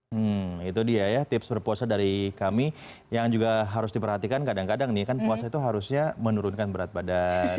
hmm itu dia ya tips berpuasa dari kami yang juga harus diperhatikan kadang kadang nih kan puasa itu harusnya menurunkan berat badan